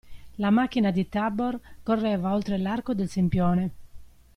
La macchina di Tabor correva oltre l'Arco del Sempione.